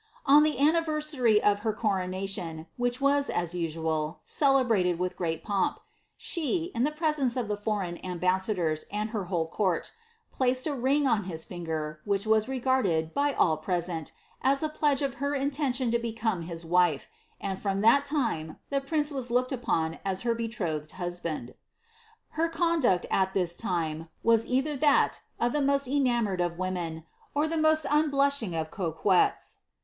* On llie anniversary of her coro nation, which vi^i, as usual, celebiated wiih ^reat pomp, she. in the presence of tbe foreign ambai'mdor", and her whole court, placed a rinj on his linger, uhicb was regarded, by all present, as a pledge of her in tention to become hn wile, and, from that time, the prince was looked Upon as her betrothed husband * Her conduct, at this lime, was either • n.id. • ihiJ. BLIZABSTH. 343 that of the most enamoured of women, or the most unblushing of coquettes.